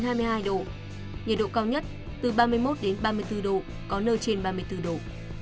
nhiệt độ cao nhất từ ba mươi một ba mươi bốn độ có nơi trên ba mươi bốn độ